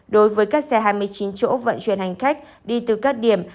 đối với các xe hai mươi chín chỗ vận chuyển hành khách đi từ các điểm